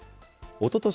おととし